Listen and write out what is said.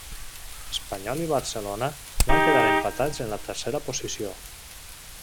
Espanyol i Barcelona van quedar empatats en la tercera posició.